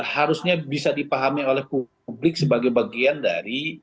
harusnya bisa dipahami oleh publik sebagai bagian dari